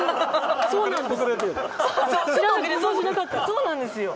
そうなんですよ。